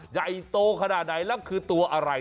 ใหญ่โตขนาดไหนแล้วคือตัวอะไร